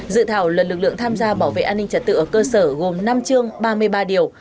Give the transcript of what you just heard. dự thảo luật lực lượng tham gia bảo vệ an ninh trật tự ở cơ sở gồm năm chương ba mươi ba điều